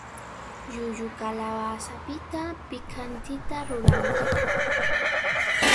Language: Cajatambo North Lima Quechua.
Llullu kalawasapita pikantita ruranqa.